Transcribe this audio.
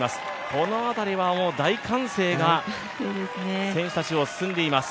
この辺りは大歓声が選手たちを包んでいます。